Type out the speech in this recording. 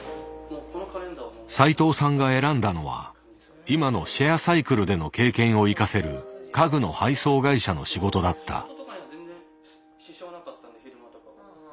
斉藤さんが選んだのは今のシェアサイクルでの経験を生かせる家具の配送会社の仕事だった。